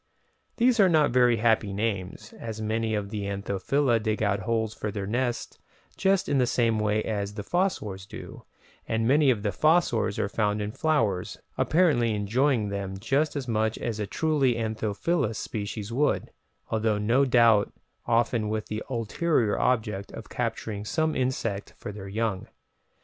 These are not very happy names, as many of the Anthophila dig out holes for their nests just in the same way as the fossors do, and many of the fossors are found in flowers, apparently enjoying them just as much as a truly anthophilous species would, although no doubt often with the ulterior object of capturing some insect for their young!